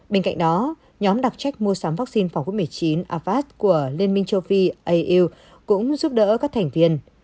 bên cạnh đó nhóm đặc trách mua sắm vaccine phòng covid một mươi chín avas của liên minh châu phi au cũng giúp đỡ các thành viên